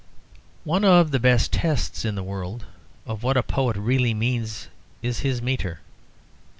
One of the best tests in the world of what a poet really means is his metre.